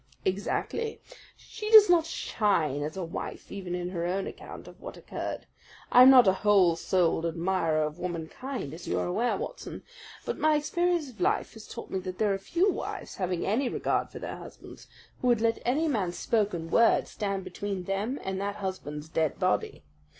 "Exactly. She does not shine as a wife even in her own account of what occurred. I am not a whole souled admirer of womankind, as you are aware, Watson, but my experience of life has taught me that there are few wives, having any regard for their husbands, who would let any man's spoken word stand between them and that husband's dead body.